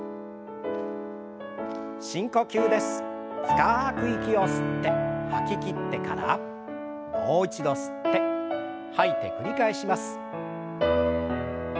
深く息を吸って吐ききってからもう一度吸って吐いて繰り返します。